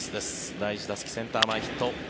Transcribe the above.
第１打席、センター前ヒット。